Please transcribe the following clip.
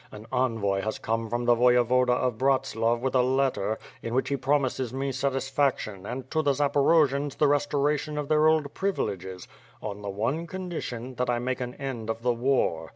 An envoy has come from the Voyevoda of Bratslav with a letter, in which he promises me satisfaction and to the Zaporojians the restoration of their old privileges, on the one condition, that I make an end of the war.